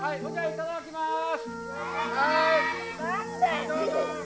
いただきます。